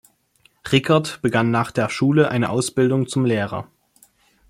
Rickert begann nach der Schule eine Ausbildung zum Lehrer.